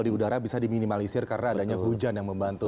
jadi minimalisir karena adanya hujan yang membantu